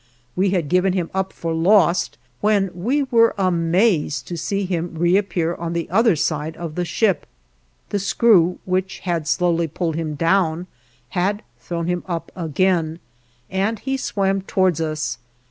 We had given him up as lost, when we were amazed to see him reappear on the other side of the ship. The screw, which had slowly pulled him down, had thrown him up again, and he swam towards us.